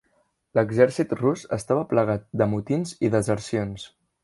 L'exèrcit rus estava plagat de motins i desercions.